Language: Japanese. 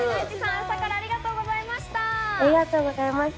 朝からありがとうございました。